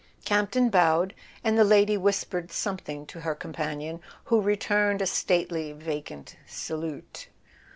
Campton bowed, and the lady whispered something to her com¬ panion, who returned a stately vacant salute.